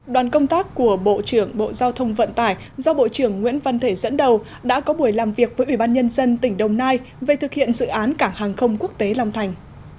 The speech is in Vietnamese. đoàn công tác của bộ trưởng bộ giao thông vận tải do bộ trưởng nguyễn văn thể dẫn đầu đã có buổi làm việc với ủy ban nhân dân tỉnh đồng nai về thực hiện dự án cảng hàng không quốc tế long thành